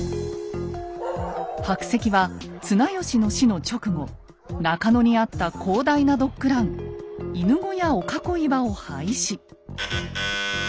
白石は綱吉の死の直後中野にあった広大なドッグラン犬小屋御囲場を廃止。